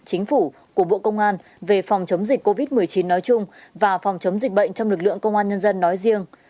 chính phủ của bộ công an về phòng chống dịch covid một mươi chín nói chung và phòng chống dịch bệnh trong lực lượng công an nhân dân nói riêng